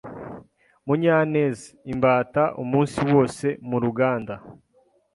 Munyanez imbata umunsi wose muruganda.